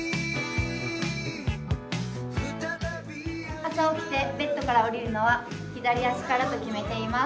朝起きてベッドから下りるのは左足からと決めています。